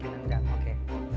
bikin rendang oke